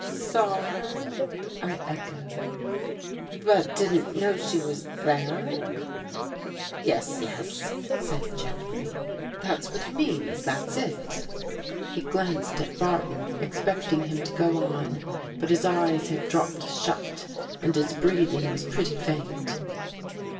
" Saw her," I echoed, " but didn't know she was there I " 242 THE THIRD CONFESSION " Yes, yes," said Jeffrey. " That's what he means. That's it." He glanced at Barton, expecting him to go on, but his eyes had dropped shut and his breathing was pretty faint.